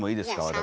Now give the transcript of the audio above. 私。